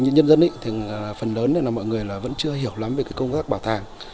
nhân dân thì phần lớn là mọi người vẫn chưa hiểu lắm về công tác bảo tàng